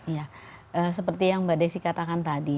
ya seperti yang mbak desy katakan tadi